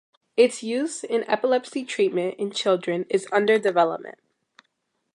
Its use in epilepsy treatment in children is under development.